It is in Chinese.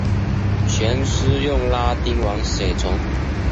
全书用拉丁文写成。